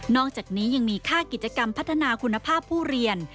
อกจากนี้ยังมีค่ากิจกรรมพัฒนาคุณภาพผู้เรียน